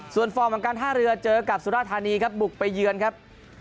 ส่วนฟอร์มของการท่าเรือเจอกับสุราธานีครับบุกไปเยือนครับ